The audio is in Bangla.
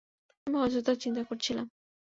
আমি অযথা চিন্তা করছিলাম।